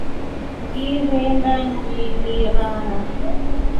Ngirenda ngilirara.